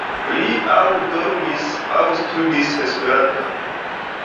Li aŭ dormis aŭ studis Esperanton.